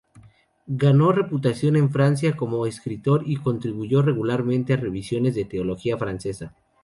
Ganó reputación en Francia como escritor, y contribuyó regularmente a revisiones de teología francesa.